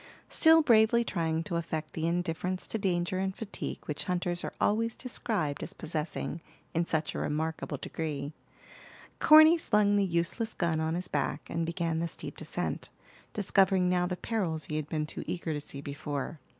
Still bravely trying to affect the indifference to danger and fatigue which hunters are always described as possessing in such a remarkable degree, Corny slung the useless gun on his back and began the steep descent, discovering now the perils he had been too eager to see before.